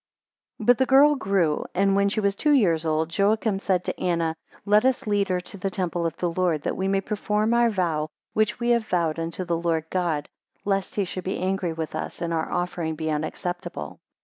BUT the girl grew, and when she was two years old, Joachim said to Anna, Let us lead her to the temple of the Lord, that we may perform our vow, which we have vowed unto the Lord God, lest he should be angry with us, and our offering be unacceptable.